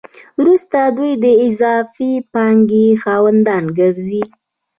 وروسته دوی د اضافي پانګې خاوندان ګرځي